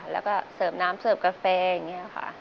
แล้วก็เสิร์ฟน้ำเสิร์ฟกาแฟอย่างนี้ค่ะ